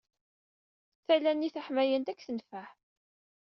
Tala-nni taḥmayant ad k-tenfeɛ.